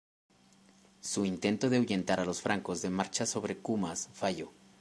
Su intento de ahuyentar a los francos de marchar sobre Cumas falló.